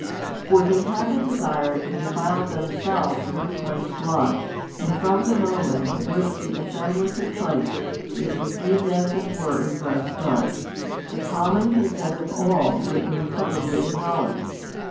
For they had the desire to defile themselves with Christ's |135 Blood, and from the moment at which the assembly took place, it received as it were a fresh start, the common consent of all to it being publicly acknowledged.